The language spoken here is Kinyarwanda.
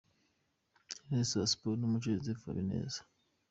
Minisitiri wa Siporo n'umuco, Joseph Habineza.